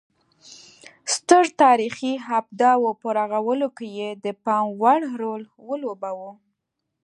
ستر تاریخي ابدو په رغولو کې یې د پام وړ رول ولوباوه